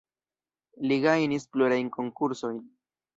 Li gajnis plurajn konkursojn.